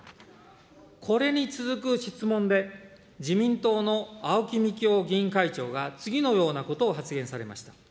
これに続く質問で、自民党の青木幹雄議員会長が次のようなことを発言されました。